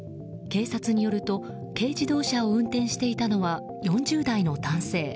警察によりますと軽自動車を運転していたのは４０代の男性。